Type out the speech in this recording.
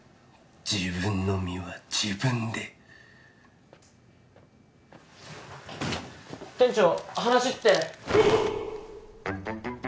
自分の身は自分で店長話って？